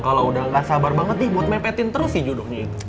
kalau udah gak sabar banget nih buat mepetin terus sih judulnya itu